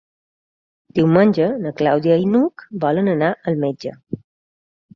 Diumenge na Clàudia i n'Hug volen anar al metge.